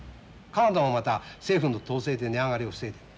カナダもまた政府の統制で値上がりを防いでる。